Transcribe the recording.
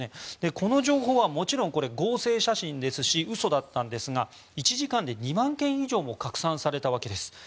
この情報はもちろん合成写真ですし嘘だったんですが１時間で２万件以上も拡散されたわけです。